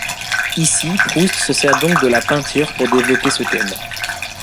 Ici, Proust se sert donc de la peinture pour développer ce thème.